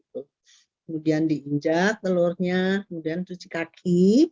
kemudian diinjak telurnya kemudian cuci kaki